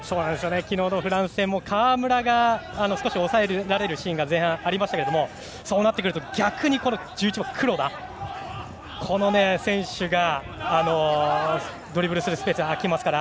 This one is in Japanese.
昨日のフランス戦川村が少し抑えられるシーンが前半ありましたがそうなると逆に１１番の黒田選手がドリブルするスペースが空きますから。